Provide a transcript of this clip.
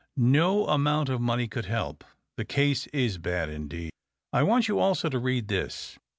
" No amount of money could help. The case is bad indeed. I want you also to read this.